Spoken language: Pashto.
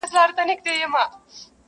• خدای ورکړئ یو سړي ته داسي زوی ؤ,